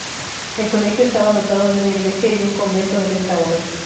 El colegio estaba dotado de una iglesia y un convento de esta orden.